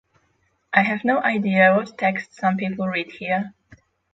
I have no idea, what text some people read here.